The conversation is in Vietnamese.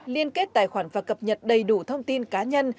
liên kết tài khoản và cập nhật đầy đủ thông tin cá nhân